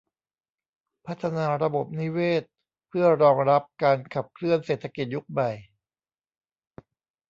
พัฒนาระบบนิเวศเพื่อรองรับการขับเคลื่อนเศรษฐกิจยุคใหม่